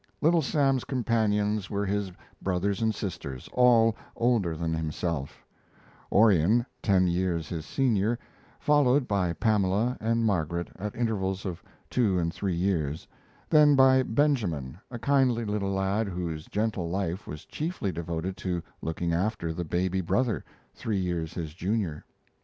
Little Sam's companions were his brothers and sisters, all older than himself: Orion, ten years his senior, followed by Pamela and Margaret at intervals of two and three years, then by Benjamin, a kindly little lad whose gentle life was chiefly devoted to looking after the baby brother, three years his junior.